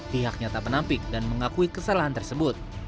pihaknya tak menampik dan mengakui kesalahan tersebut